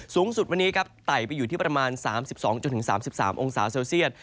สูงสุดวันนี้ครับไต่ไปอยู่ที่ประมาณ๓๒๓๓องศาเซลเซียต